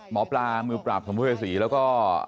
หมอปลามือปราบสัมภเวษีแล้วก็